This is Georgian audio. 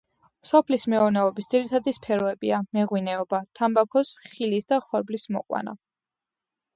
სოფლის მეურნეობის ძირითადი სფეროებია: მეღვინეობა, თამბაქოს, ხილის და ხორბლის მოყვანა.